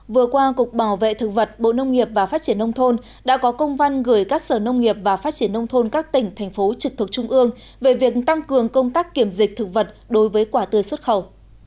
vừa qua cục bảo vệ thực vật bộ nông nghiệp và phát triển nông thôn đã có công văn gửi các sở nông nghiệp và phát triển nông thôn các tỉnh thành phố trực thuộc trung ương về việc tăng cường công tác kiểm dịch thực vật đối với quả tươi xuất khẩu